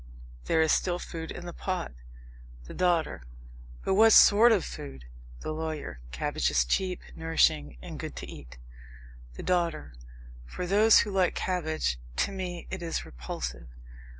There is still food in the pot. THE DAUGHTER. But what sort of food? THE LAWYER. Cabbage is cheap, nourishing, and good to eat. THE DAUGHTER. For those who like cabbage to me it is repulsive.